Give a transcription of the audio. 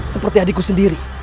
seperti adikku sendiri